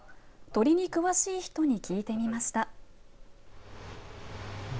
鳥に詳しい人に聞いてみました。